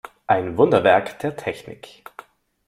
Ein Wunderwerk der Technik.